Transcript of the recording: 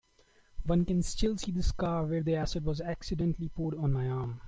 One can still see the scar where the acid was accidentally poured on my arm.